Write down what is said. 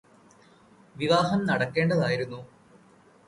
വിവാഹം നടക്കേണ്ടതായിരുന്നു